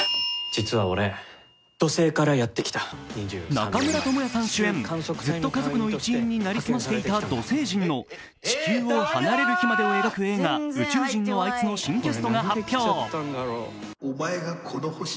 中村倫也さん主演ずっと家族の一員に成り済ましていた土星人の地球を離れる日までを描く映画「宇宙人のあいつ」の新キャストが発表。